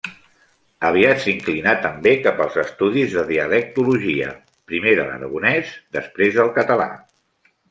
Aviat s'inclinà també cap als estudis de dialectologia: primer, de l'aragonès, després, del català.